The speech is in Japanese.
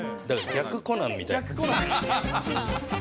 だから逆コナンみたいな。